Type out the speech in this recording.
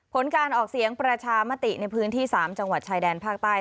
ผลการออกเสียงประชามติในพื้นที่๓จังหวัดชายแดนภาคใต้